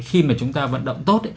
khi mà chúng ta vận động tốt